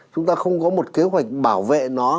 chúng ta không có một kế hoạch bảo vệ nó